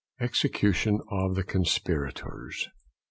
_ EXECUTION OF THE CONSPIRATORS.